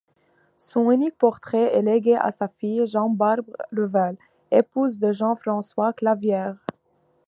Son unique portrait est légué à sa fille Jeanne-Barbe Revel, épouse de Jean-François Clavière.